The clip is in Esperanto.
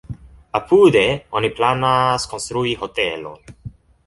Apude oni planas konstrui hotelon.